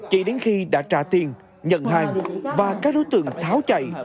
chỉ đến khi đã trả tiền nhận hàng và các đối tượng tháo chạy